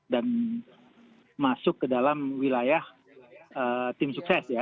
dan masuk ke dalam wilayah tim sukses ya